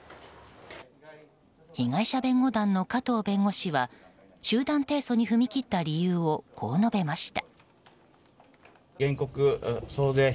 被害者弁護団の加藤弁護士は集団提訴に踏み切った理由をこう述べました。